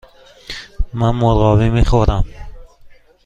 من مرغابی می خورم.